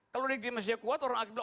kalau diklimasinya kuat orang lain bilang